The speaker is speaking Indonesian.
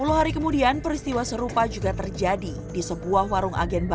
sepuluh hari kemudian peristiwa serupa juga terjadi di sebuah warung agen baru